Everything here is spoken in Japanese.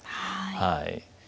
はい。